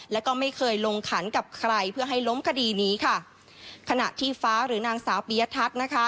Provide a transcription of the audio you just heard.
แล้วก็ไม่เคยลงขันกับใครเพื่อให้ล้มคดีนี้ค่ะขณะที่ฟ้าหรือนางสาวปียทัศน์นะคะ